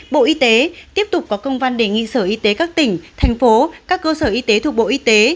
bộ y tế tiếp tục có công văn đề nghị sở y tế các tỉnh thành phố các cơ sở y tế thuộc bộ y tế